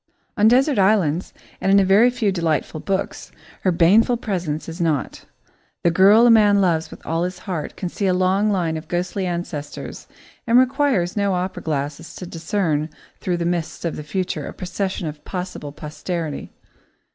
On desert islands and in a very few delightful books, her baneful presence is not. The girl a man loves with all his heart can see a long line of ghostly ancestors, and requires no opera glass to discern through the mists of the future a procession of possible posterity.